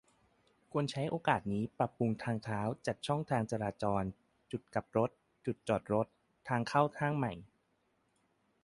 ควรใช้โอกาสนี้ ปรับปรุงทางเท้า จัดช่องจราจร-จุดกลับรถ-จุดจอดรถ-ทางเข้าห้างใหม่